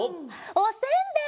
おせんべい！